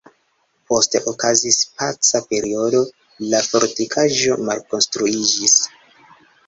Poste okazis paca periodo, la fortikaĵo malkonstruiĝis.